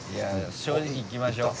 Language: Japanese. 正直にいきましょう